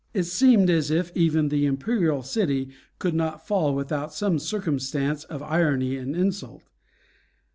It seemed as if even the Imperial City could not fall without some circumstance of irony and insult.